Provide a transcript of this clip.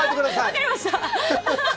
わかりました！